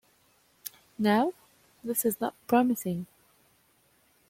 Now, this is not promising.